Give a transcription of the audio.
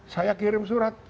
saya kirim surat